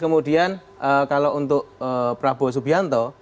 kemudian kalau untuk prabowo subianto